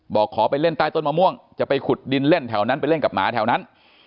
บอกขอไปเล่นใต้ต้นมะม่วงจะไปขุดดินเล่นแถวนั้นไปเล่นกับหมาแถวนั้น